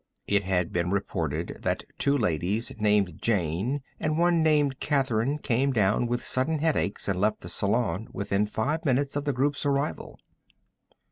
It has been reported that two ladies named Jane, and one named Catherine, came down with sudden headaches and left the salon within five minutes of the group's arrival.